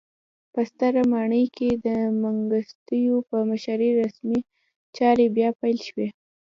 په ستره ماڼۍ کې د منګیسټیو په مشرۍ رسمي چارې بیا پیل شوې.